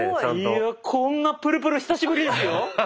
いやこんなプルプル久しぶりですよ。